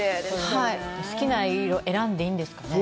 好きな色を選んでいいんですかね。